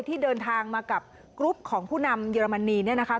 ที่เดินทางมากับกรุ๊ปของผู้นำเยอรมนีเนี่ยนะคะ